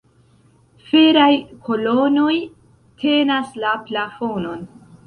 Feraj kolonoj tenas la plafonon.